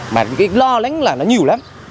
mà cái lo lắng là nó nhiều lắm